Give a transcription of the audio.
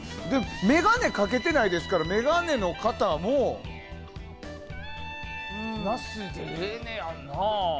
眼鏡をかけてないですから眼鏡の方もなしでええねやろな。